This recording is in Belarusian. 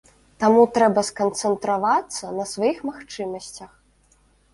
Таму трэба сканцэнтравацца на сваіх магчымасцях.